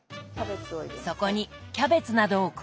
そこにキャベツなどを加え。